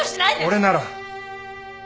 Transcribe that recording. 俺なら。